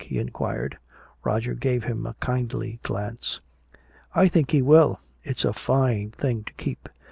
he inquired. Roger gave him a kindly glance. "I think he will. It's a fine thing to keep."